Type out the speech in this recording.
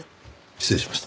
失礼しました。